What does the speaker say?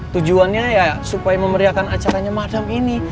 tujuannya ya supaya memeriakan acaranya macam ini